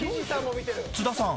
津田さん。